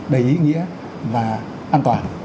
đầy ý nghĩa và an toàn